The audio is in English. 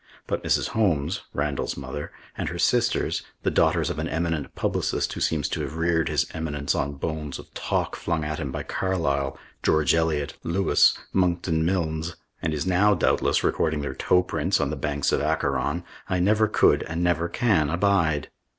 But Mrs. Holmes, Randall's mother, and her sisters, the daughters of an eminent publicist who seems to have reared his eminence on bones of talk flung at him by Carlisle, George Eliot, Lewes, Monckton Milnes, and is now, doubtless, recording their toe prints on the banks of Acheron, I never could and never can abide.